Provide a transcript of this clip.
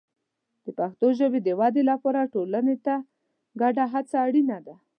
د پښتو ژبې د ودې لپاره ټولنې ته ګډه هڅه اړینه ده.